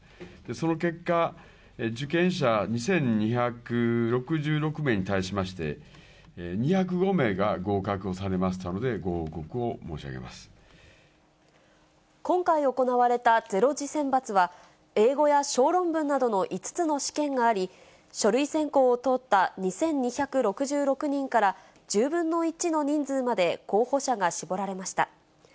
その結果、受験者２２６６名に対しまして、２０５名が合格をされましたので、今回行われた０次選抜は、英語や小論文などの５つの試験があり、書類選考を通った２２６６人から、１０分の１の人数まで候補者が絞られました。